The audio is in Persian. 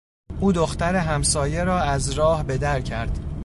او دختر همسایه را از راه به در کرد.